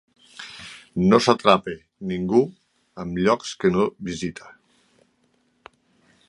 No s'atrapa ningú en llocs que no visita.